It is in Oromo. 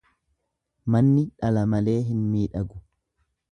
Manni dhala malee hin miidhagu.